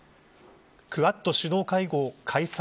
クアッド首脳会合開催